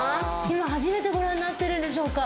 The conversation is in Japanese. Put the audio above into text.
今初めてご覧になってるんでしょうか。